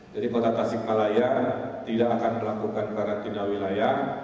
jadi kota tasik malaya tidak akan melakukan karantina wilayah